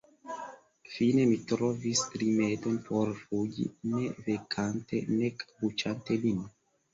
Fine mi trovis rimedon por fugi, ne vekante nek buĉante lin.